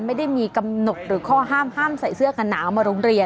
ไม่ได้มีกำหนดหรือข้อห้ามห้ามใส่เสื้อกันหนาวมาโรงเรียน